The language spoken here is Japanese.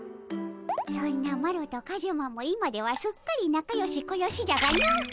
そんなマロとカジュマも今ではすっかりなかよしこよしじゃがの。